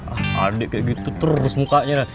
ah adek kayak gitu terus mukanya